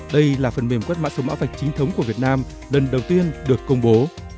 đây là phần mềm quét mã số mã vạch chính thống của việt nam lần đầu tiên được công bố